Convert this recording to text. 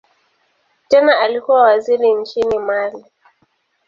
Tena alikuwa waziri nchini Mali.